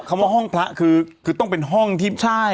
คำว่าห้องพระคือต้องเป็นห้องที่สำหรับไว้